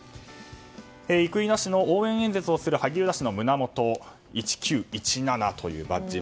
生稲氏の応援演説をする萩生田氏の胸元には「１９１７」というバッジ。